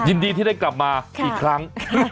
ยินดีที่ได้กลับมาอีกครั้ง